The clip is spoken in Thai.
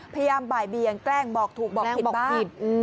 พยายามบ่ายเบียงแกล้งบอกถูกบอกผิดบ้าง